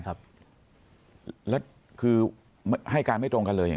แล้วคือให้การไม่ตรงกันเลย